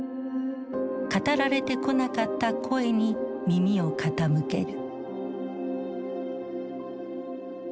語られてこなかった声に耳を傾ける。